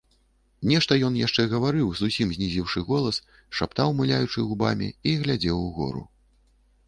Нешта ён яшчэ гаварыў, зусім знізіўшы голас, шаптаў, мыляючы губамі, і глядзеў угору.